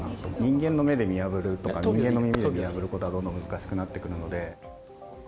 人間の目で見破るとか、人間の耳で見破ることはどんどん難しくなってくるので。